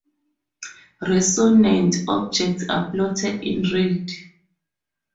Resonant objects are plotted in red.